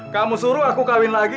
kamu suruh aku kawin lagi